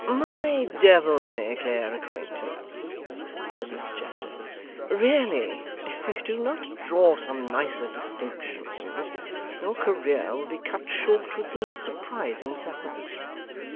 'My devil may care acquaintance,' said Mr Chester 'really if you do not draw some nicer distinctions, your career will be cut short with most surprising suddenness.